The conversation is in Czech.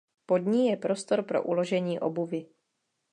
Pod ní je prostor pro uložení obuvi.